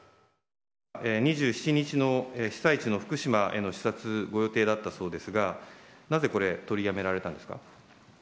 ２７日の被災地の福島への視察、ご予定だったそうですが、なぜこれ、取りやめられたんですか。